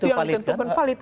itu yang ditentukan valid